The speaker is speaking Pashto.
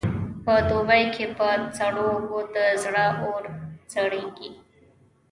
په دوبې کې په سړو اوبو د زړه اور سړېږي.